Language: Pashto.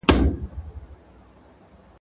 انسان کولای شي سم برس وکاروي.